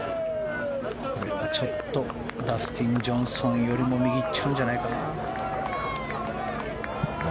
ちょっとダスティン・ジョンソンよりも右に行っちゃうんじゃないかな。